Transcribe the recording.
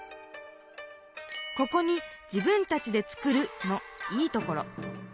ここに「自分たちで作る」の「いいところ」。